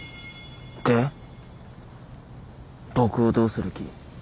僕をどうする気？